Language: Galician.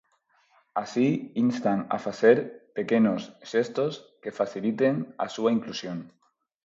Así, instan a facer "pequenos xestos" que faciliten a súa inclusión.